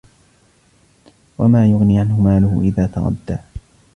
وَمَا يُغْنِي عَنْهُ مَالُهُ إِذَا تَرَدَّى